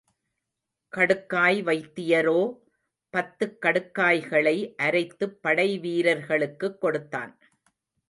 கடுக்காய் வைத்தியரோ பத்துக் கடுக்காய்களை அரைத்துப் படைவீரர் களுக்குக் கொடுத்தான்.